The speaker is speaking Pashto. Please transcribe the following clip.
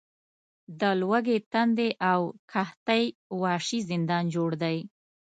د لوږې، تندې او قحطۍ وحشي زندان جوړ دی.